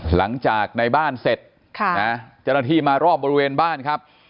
หลังจากในบ้านเสร็จเจ้าหน้าที่มารอบบริเวณบ้านครับ